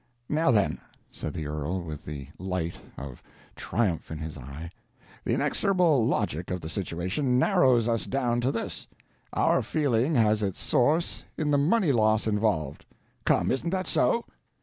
Now then," said the earl, with the light of triumph in his eye, "the inexorable logic of the situation narrows us down to this: our feeling has its source in the money loss involved. Come—isn't that so?"